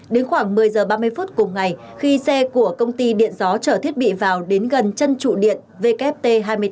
đến khoảng một mươi h ba mươi phút cùng ngày khi xe của công ty điện gió trở thiết bị vào đến gần chân trụ điện wt hai mươi bốn